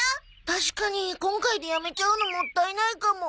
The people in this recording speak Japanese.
確かに今回でやめちゃうのもったいないかも。